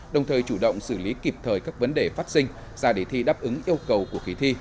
đồng thời chủ động xử lý kịp thời các vấn đề phát sinh ra để thi đáp ứng yêu cầu của kỳ thi